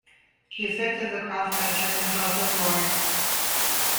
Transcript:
He sits as a crossbencher in the House of Lords.